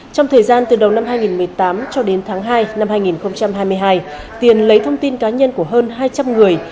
trong thời gian từ đầu năm hai nghìn một mươi tám cho đến tháng hai năm hai nghìn hai mươi hai tiền lấy thông tin cá nhân của hơn hai trăm linh người